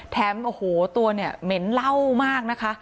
แถมโอ้โหตัวเนี่ยเหม็นเหล้ามากนะคะ